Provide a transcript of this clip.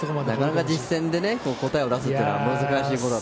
なかなか実戦で答えを出すのは難しいことだと。